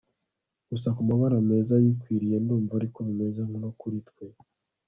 gusa ku mabara meza ayikwiriye ndumva ari ko bimeze no kuri twe